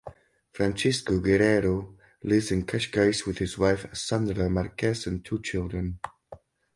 Francisco Guerreiro lives in Cascais with his wife Sandra Marques and two children.